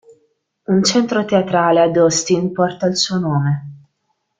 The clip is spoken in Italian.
Un centro teatrale ad Austin porta il suo nome.